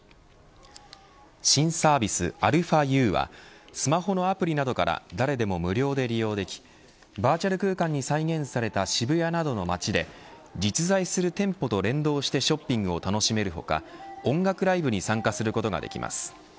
新サービスαＵはスマホのアプリなどから誰でも無料で利用できバーチャル空間に再現された渋谷などの街で実在する店舗と連動してショッピングを楽しめる他音楽ライブに参加することができます。